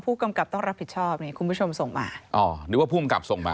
ผู้กำกับต้องรับผิดชอบนี่คุณผู้ชมส่งมาอ๋อนึกว่าภูมิกับส่งมา